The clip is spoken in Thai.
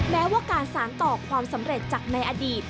แม้ว่าการสารต่อความสำเร็จจากในอดีต